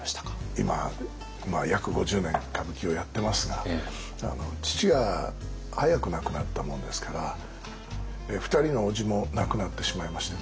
今約５０年歌舞伎をやってますが父が早く亡くなったもんですから２人のおじも亡くなってしまいましてね